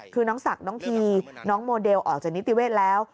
คือน้องศักดิ์น้องทีน้องโมเดลออกจากนิติเวศแล้ว